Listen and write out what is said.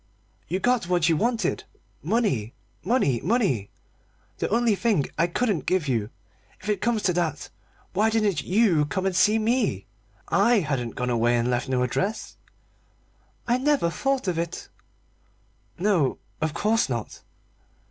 "You got what you wanted money, money, money the only thing I couldn't give you. If it comes to that, why didn't you come and see me? I hadn't gone away and left no address." "I never thought of it." "No, of course not."